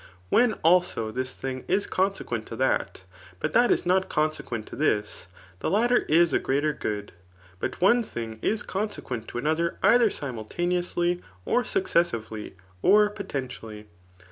When, also, this thing is consequent to that, but that is not consequent to this^ [the latter is a greater good.] But one thing is conse quent to another either simultaneoiisly, or successively, or potentially.